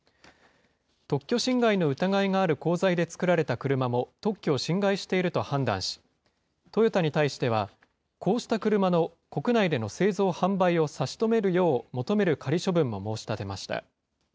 特許侵害の疑いがある鋼材で作られた車も、特許を侵害していると判断し、トヨタに対しては、こうした車の国内での製造・販売を差し止めるよう求める仮処分も申し立てました。